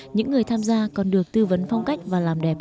những người tham gia còn được tư vấn phong cách và làm đẹp